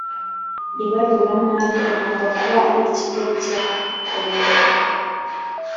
ibaruramari agomba kuba ari ikigo cyakorewe